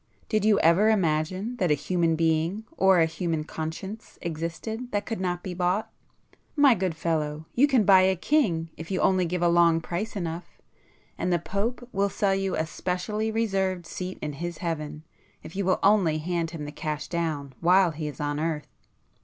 Did you ever imagine that a human being or a human conscience existed that could not be bought? My good fellow, you can buy a king if you only give a long price enough; and the Pope will sell you a specially reserved seat in his heaven if you will only hand him the cash down while he is on earth!